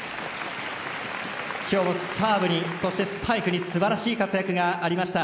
今日もサーブに、スパイクに素晴らしい活躍がありました。